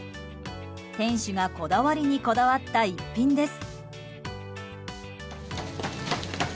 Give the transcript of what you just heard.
店主がこだわりにこだわった逸品です。